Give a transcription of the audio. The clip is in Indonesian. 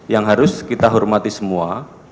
yang harus kita hormati semua